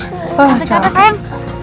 capek capek sayang